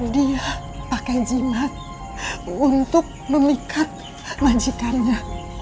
dia pakai jimat untuk memikat majikannya